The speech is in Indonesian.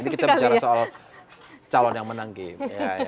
ini kita bicara soal calon yang menang game